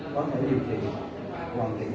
có thể điều trị hoàn chỉnh